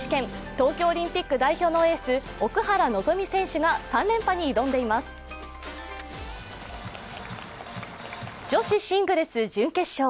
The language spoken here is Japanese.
東京オリンピック代表のエース、奥原希望選手が３連覇に挑んでいます女子シングルス準決勝。